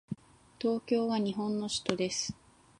東京は日本の首都です。